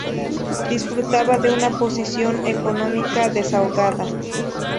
Disfrutaba de una posición económica desahogada.